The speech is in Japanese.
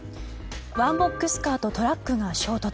ワンボックスカーとトラックが衝突。